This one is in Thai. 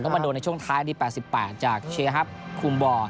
ก็มันโดนในช่วงท้ายที่๘๘จากเชฮัพคุมบ่อ